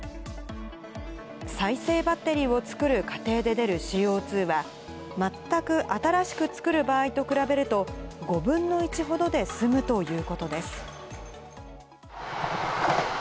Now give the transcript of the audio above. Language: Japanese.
再生バッテリーを作る過程で出るＣＯ２は、全く新しく作る場合と比べると、５分の１ほどで済むということです。